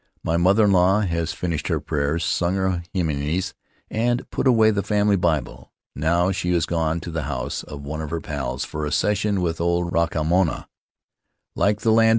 "My mother in law has finished her prayers, sung her himines, and put away the family Bible. Now she has gone to the house of one of her pals for a session with old Rakamoana.